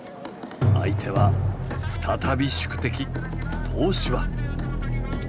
相手は再び宿敵東芝。